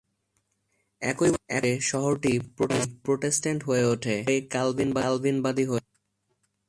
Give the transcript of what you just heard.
একই বছরে, শহরটি প্রোটেস্ট্যান্ট হয়ে ওঠে, পরে ক্যালভিনবাদী হয়ে ওঠে।